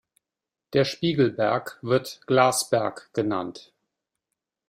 Der Spiegelberg wird "Glasberg" genannt.